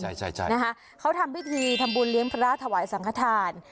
ใช่ใช่นะคะเขาทำพิธีทำบุญเลี้ยงพระถวายสังขทาน